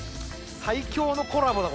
最強のコラボだ